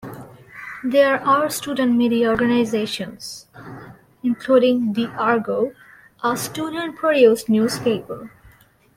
There are student media organizations, including the "Argo", a student-produced newspaper.